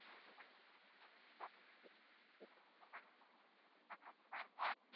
Matukio ya ugonjwa huu huwa juu katika mazingira au vipindi vya unyevunyevu na majimaji